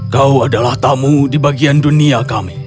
kau adalah tamu di bagian dunia kami